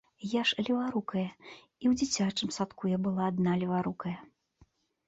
Я ж леварукая, і ў дзіцячым садку я была адна леварукая.